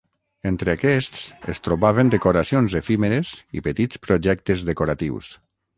Entre aquests es trobaven decoracions efímeres i petits projectes decoratius.